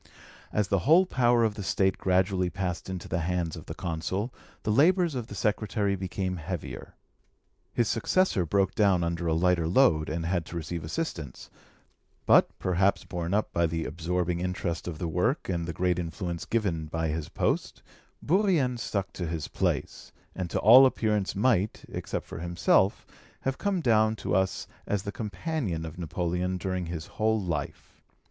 As the whole power of the State gradually passed into the hands of the Consul, the labours of the secretary became heavier. His successor broke down under a lighter load, and had to receive assistance; but, perhaps borne up by the absorbing interest of the work and the great influence given by his post, Bourrienne stuck to his place, and to all appearance might, except for himself, have come down to us as the companion of Napoleon during his whole life.